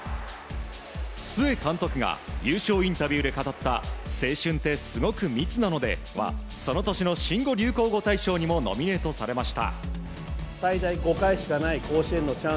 須江監督が優勝インタビューで語った「青春って、すごく密なので」はその年の新語・流行語大賞にもノミネートされました。